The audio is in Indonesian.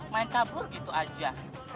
main tabur gitu aja